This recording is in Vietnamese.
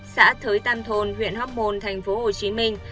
xã thới tam thôn huyện hóc môn